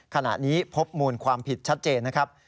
ขณะนี้พบมูลความผิดชัดเจนนะครับ